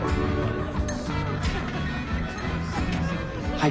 はい。